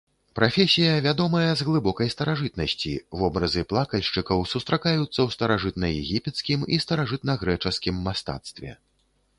Прафесія вядомая з глыбокай старажытнасці, вобразы плакальшчыкаў сустракаюцца ў старажытнаегіпецкім і старажытнагрэчаскім мастацтве.